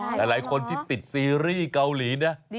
หลายคนที่ติดซีรีส์เกาหลีนะ